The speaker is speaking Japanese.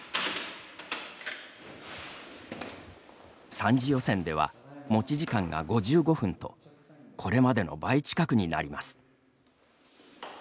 ３次予選では持ち時間が５５分とこれまでの倍近くになります。